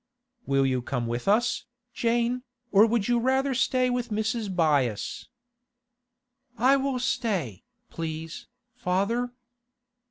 'Will you come with us, Jane, or would rather stay with Mrs. Byass?' 'I will stay, please, father.